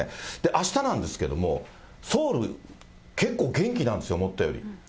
あしたなんですけども、ソウル、結構元気なんですよ、思ったより。